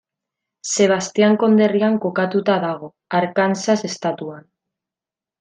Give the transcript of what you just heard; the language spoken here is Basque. Sebastian konderrian kokatuta dago, Arkansas estatuan.